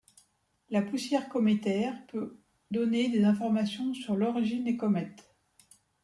La poussière cométaire peut donner des informations sur l'origine des comètes.